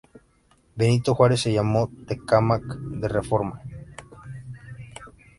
Benito Juárez, se llamó Tecámac de Reforma.